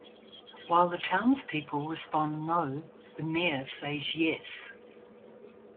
While the townspeople respond no, the mayor says Yes.